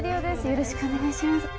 よろしくお願いします。